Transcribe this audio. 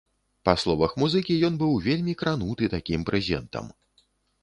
Па словах музыкі, ён быў вельмі крануты такім прэзентам.